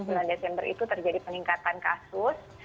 bulan desember itu terjadi peningkatan kasus